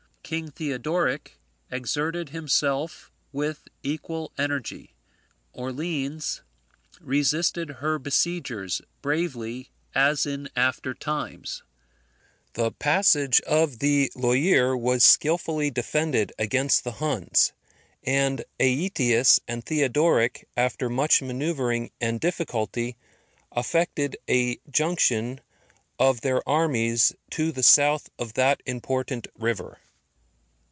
King Theodoric exerted himself with equal energy, Orleans resisted her besiegers bravely as in after times. The passage of the Loire was skilfully defended against the Huns; and Aetius and Theodoric, after much manoeuvring and difficulty, effected a junction of their armies to the south of that important river.